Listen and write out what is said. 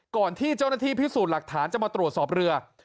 ก่อนที่เจ้าหน้าที่พิสูจน์หลักฐานจะมาตรวจสอบเรือ